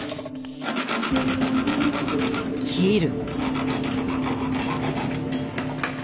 切る。